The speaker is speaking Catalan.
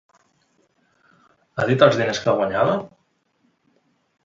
Ha dit els diners que guanyava?